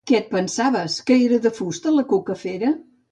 Què et pensaves, que era de fusta la cucafera?